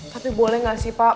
tapi boleh nggak sih pak